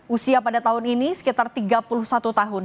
usia pada tahun ini sekitar tiga puluh satu tahun